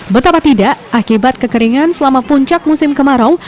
betapa tidak akibat kekeringan selama puncak musim kemarau